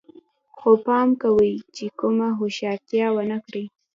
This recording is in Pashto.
خو پام کوئ چې کومه هوښیارتیا ونه کړئ